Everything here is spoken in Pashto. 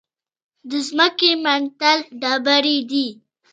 د ځمکې منتل ډبرې دي.